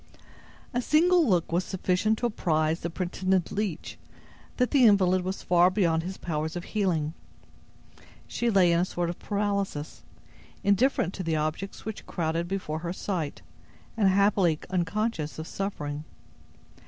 A single look was sufficient to apprise the pretended leech that the invalid was far beyond his powers of healing. She lay in a sort of paralysis, indifferent to the objects which crowded before her sight, and happily unconscious of suffering.